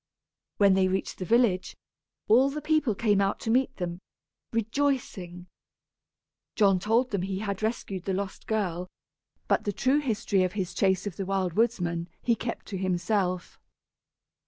When they reached the village, all the people came out to meet them, rejoicing. John told them he had rescued the lost girl, but the true history of his chase of the Wild Woodsman he kept to himself.